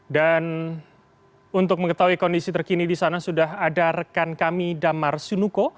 dan untuk mengetahui kondisi terkini di sana sudah ada rekan kami damar sunuko